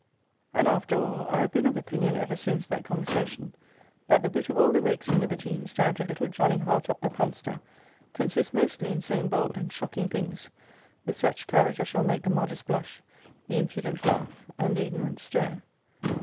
And after all, I have been of opinion ever since that conversation, that the wit of all the rakes and libertines down to little Johnny Hartop the punster, consists mostly in saying bold and shocking things, with such courage as shall make the modest blush, the impudent laugh, and the ignorant stare.